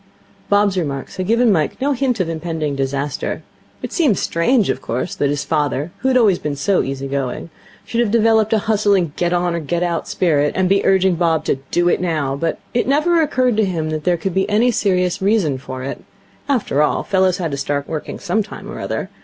Bob's remarks had given Mike no hint of impending disaster. It seemed strange, of course, that his father, who had always been so easy going, should have developed a hustling Get On or Get Out spirit, and be urging Bob to Do It Now; but it never occurred to him that there could be any serious reason for it. After all, fellows had to start working some time or other.